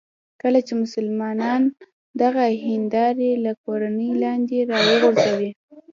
کله چې مسلمانان دغه هندارې له کورونو لاندې راوغورځوي.